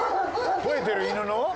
吠えてる犬の？